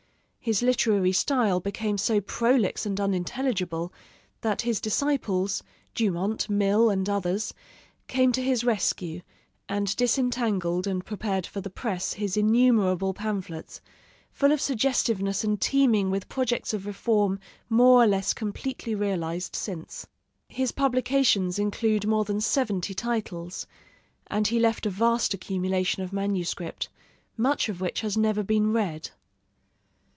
His literary style became so prolix and unintelligible that his disciples Dumont, Mill, and others came to his rescue, and disentangled and prepared for the press his innumerable pamphlets, full of suggestiveness and teeming with projects of reform more or less completely realized since. His publications include more than seventy titles, and he left a vast accumulation of manuscript, much of which has never been read.